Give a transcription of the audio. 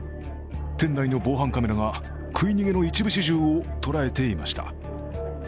店内の防犯カメラが食い逃げの一部始終を捉えていました。